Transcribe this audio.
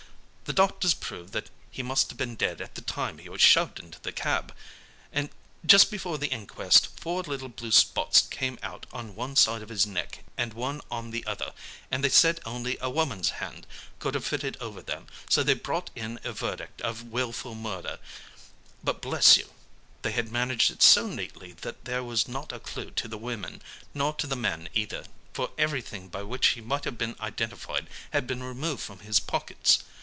The doctors proved that he must have been dead at the time he was shoved into the cab. Just before the inquest four little blue spots came out on one side of his neck, and one on the other, and they said only a woman's hand could have fitted over them, so they brought in a verdict of willful murder; but, bless you, they had managed it so neatly that there was not a clue to the women, nor to the man either, for everything by which he might have been identified had been removed from his pockets.